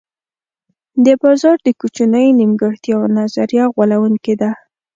د بازار د کوچنیو نیمګړتیاوو نظریه غولوونکې ده.